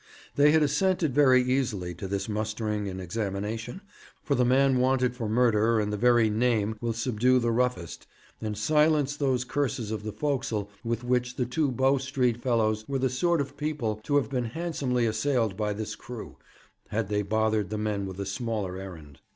They had assented very easily to this mustering and examination, for the man was wanted for murder, and the very name will subdue the roughest, and silence those curses of the forecastle with which the two Bow Street fellows were the sort of people to have been handsomely assailed by this crew, had they bothered the men with a smaller errand.